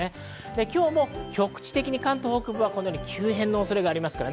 今日も局地的に関東北部は急変のおそれがあります。